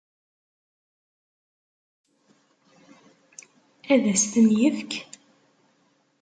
Ad as-ten-yefk?